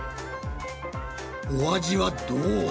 お味はどうだ？